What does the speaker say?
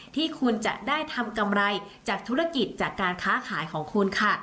ที่คุณจะได้ทำกำไรจากธุรกิจจากการค้าขายของคุณค่ะ